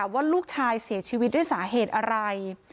ว่าลูกชายเสียชีวิตด้วยสาเหตุอะไร